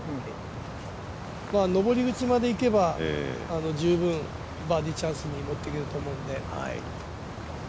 登り口までいけば、十分バーディーチャンスに持って行けると思うんで。